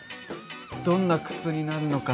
どんな靴になるのか。